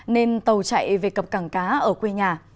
nên tàu chạy về cặp càng cá ở quê nhà